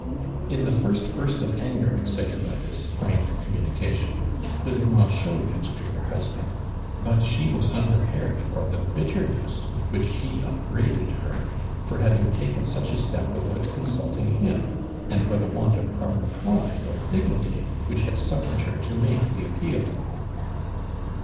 In the first burst of anger excited by this frank communication, Delima showed it to her husband, but she wiis luiprepared for the bitterness with which he upbraided her for having taken such a step without consulting him, and for the want of proper pride or dignity which liad sufiered her to make the appeal.